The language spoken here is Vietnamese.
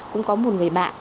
cũng có một người bạn